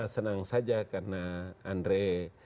senang saja karena andre